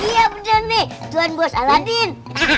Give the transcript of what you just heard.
iya bener nih tuan bos aladin